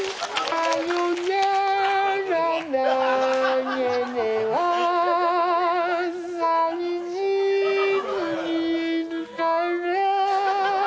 さよならだけではさびしすぎるから